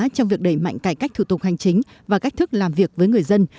trong việc đẩy mạnh cải cách thủ tục hành chính và cách thức làm việc với người dân